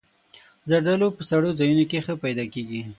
زردالو په سړو ځایونو کې ښه پیدا کېږي.